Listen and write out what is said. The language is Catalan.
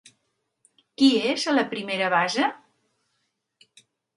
"Qui és a la primera base?"